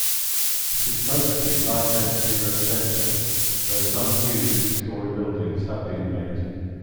It is mostly light-density residential, though some new two-storey buildings have been made.